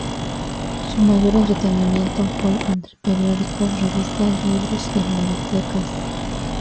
Su mayor entretenimiento fue entre periódicos, revistas, libros y bibliotecas.